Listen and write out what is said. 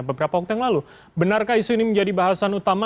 beberapa waktu yang lalu benarkah isu ini menjadi bahasan utama